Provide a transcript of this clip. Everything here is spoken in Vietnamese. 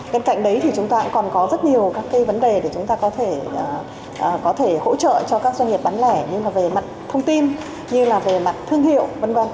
cần cạnh đấy thì chúng ta còn có rất nhiều các cái vấn đề để chúng ta có thể hỗ trợ cho các doanh nghiệp bán lẻ như là về mặt thông tin như là về mặt thương hiệu v v